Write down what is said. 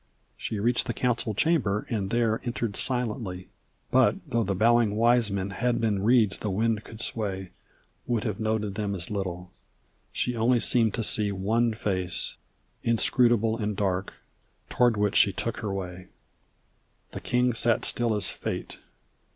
She reached the council chamber and there entered silently; But though the bowing wise men had been reeds the wind could sway Would have noted them as little. She only seemed to see One face, inscrutable and dark, toward which she took her way. The king sat still as Fate.